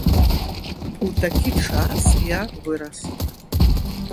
У такі час я вырас.